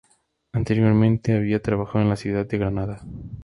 Anteriormente había trabajado en la ciudad de Granada.